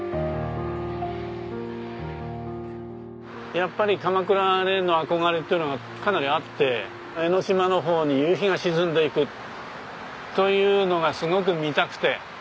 やっぱり鎌倉への憧れっていうのがかなりあって江の島のほうに夕日が沈んでいくというのがすごく見たくて。